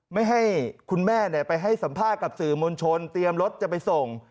ไม่ให้คุณแม่ไปให้สัมภาษณ์กับสื่อมวลชนเตรียมรถจะไปส่ง